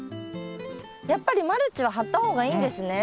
やっぱりマルチは張った方がいいんですね？